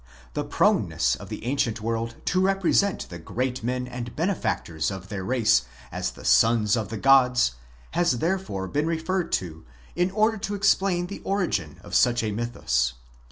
148Ὲ The proneness of the ancient world to represent the great men and bene factors of their race as the sons of the gods, has therefore been referred to, in order to explain the origin of such a mythus.